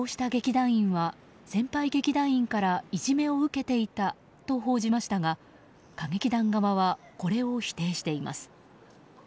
一部週刊誌が死亡した劇団員は先輩劇団員から、いじめを受けていたと報じましたが歌劇団側はこれを否定しています。